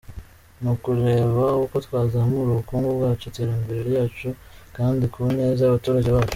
Ni ukureba uko twazamura ubukungu bwacu, iterambere ryacu, kandi ku neza y’abaturage bacu.